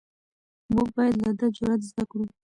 موږ باید له ده جرئت زده کړو.